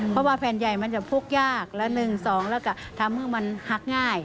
เพราะว่าแผ่นใหญ่มันจะพกยากละ๑๒แล้วก็ทำให้มันหักง่าย